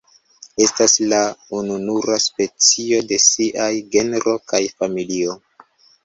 Estas la ununura specio de siaj genro kaj familio.